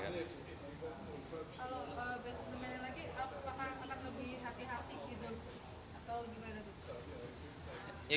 kalau besok bermain lagi